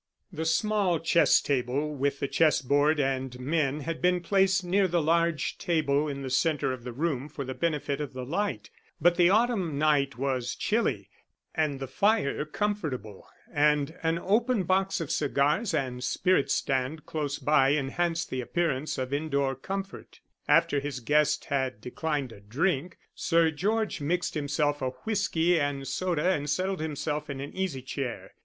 The small chess table with the chess board and men had been placed near the large table in the centre of the room for the benefit of the light, but the autumn night was chilly, and the fire comfortable, and an open box of cigars and spirit stand close by enhanced the appearance of indoor comfort. After his guest had declined a drink, Sir George mixed himself a whisky and soda and settled himself in an easy chair.